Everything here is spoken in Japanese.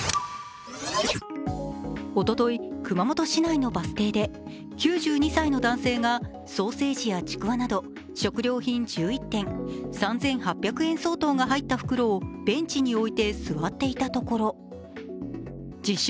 おととい熊本市内のバス停で９２歳の男性がソーセージやちくわなど食料品１１点、３８００円相当が入った袋をベンチに置いて座っていたところ自称